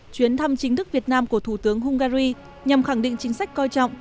chuyến thăm chính thức việt nam của thủ tướng hungary nhằm khẳng định chính sách coi trọng